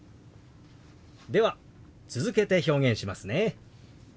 では続けて表現しますね。